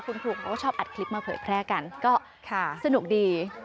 คุณครูเขาก็ชอบอัดคลิปมาเผยแพร่กันก็สนุกดี